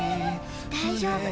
大丈夫。